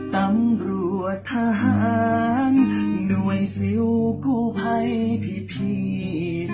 ตำรวจทหารหน่วยซิลกู้ภัยพี่